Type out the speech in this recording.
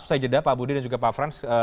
setelah jeda pak budi dan juga pak franz